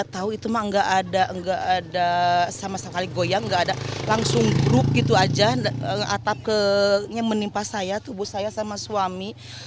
tidak ada sama sekali goyang tidak ada langsung grup gitu saja atapnya menimpa saya tubuh saya sama suami